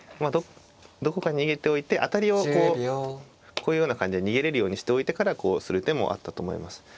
どこか逃げておいて当たりをこうこういうような感じで逃げれるようにしておいてからこうする手もあったと思います。